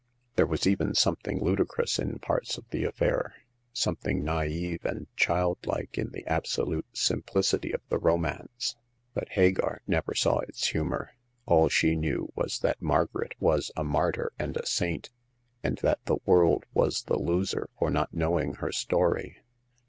There was even something ludicrous in parts of the affair ; something naive and childlike in the absolute simplicity of the romance ; but Hagar never saw its humor. All she knew was that Margaret was a martyr and a saint, and that the world was the loser for not knowing her story.